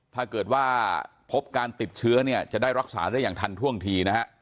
ถ้าเกิดว่าพบการติดเชื้อเนี่ยจะได้รักษาได้อย่างทันท่วงทีนะฮะ